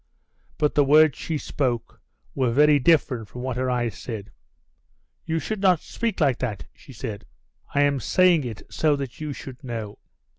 But the words she spoke were very different from what her eyes said. "You should not speak like that," she said. "I am saying it so that you should know."